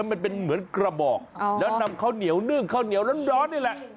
มันเป็นเหมือนกระบอกแล้วนำข้าวเหนียวนึ่งข้าวเหนียวร้อนนี่แหละ